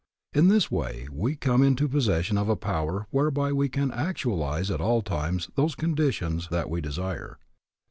In this way we come into possession of a power whereby we can actualize at all times those conditions that we desire.